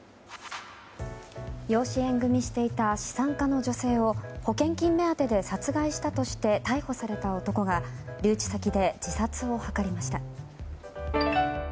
養子縁組していた資産家の女性を保険金目当てで殺害したとして逮捕された男が留置先で自殺を図りました。